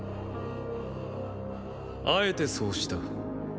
あえてそうした。